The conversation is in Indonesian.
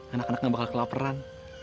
anak anak gak bakal kelaparan